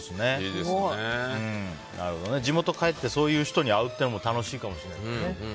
地元帰ってそういう人に会うのも楽しいかもしれないですね。